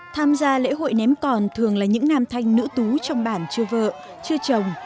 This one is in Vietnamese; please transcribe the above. tham gia lễ hội ném còn thường là những nam thanh nữ tú trong bản chưa vợ chưa chồng